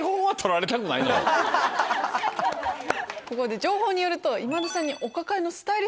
情報によると今田さんに。